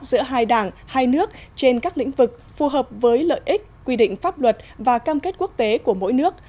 giữa hai đảng hai nước trên các lĩnh vực phù hợp với lợi ích quy định pháp luật và cam kết quốc tế của mỗi nước